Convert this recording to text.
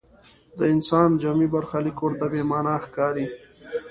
د انسان جمعي برخلیک ورته بې معنا ښکاري.